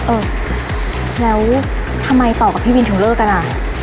เออแล้วทำไมต่อกับพี่วินถึงเลิกกันอ่ะ